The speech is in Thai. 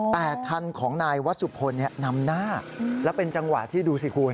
แต่คันของนายวัชสุพลนำหน้าแล้วเป็นจังหวะที่ดูสิคุณ